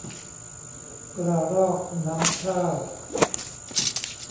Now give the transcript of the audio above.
กระรอกน้ำข้าว